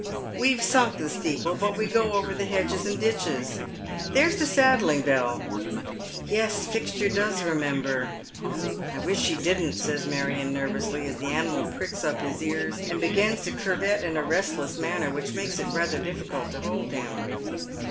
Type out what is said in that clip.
" We've sunk the steeple. But we go over the hedges and ditches. There's the saddling bell. Yes, Fixture does remember." " I wish he didn't," says Marion nervously, as the animal pncks up his ears, and begins to curvet in a restless manner, which makes it rather difficult to hold him.